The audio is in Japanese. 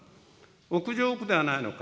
屋上屋ではないのか。